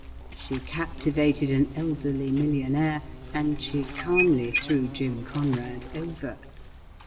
She captivated an elderly millionaire, and she calmly threw Jim Conrad over.